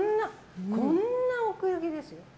こんな奥行ですよ。